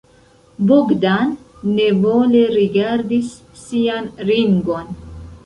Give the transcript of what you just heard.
Bogdan nevole rigardis sian ringon.